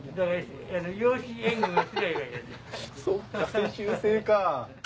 そっか世襲制か。